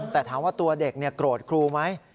แต่ถามว่าตัวเด็กโกรธครูไหม